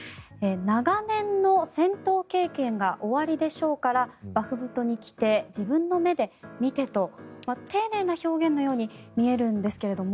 長年の戦闘経験がおありでしょうからバフムトに来て自分の目で見てと丁寧な表現のように見えるんですけども。